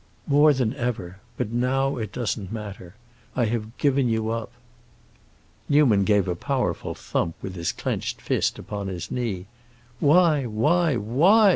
"More than ever. But now it doesn't matter. I have given you up." Newman gave a powerful thump with his clenched fist upon his knee. "Why, why, why?"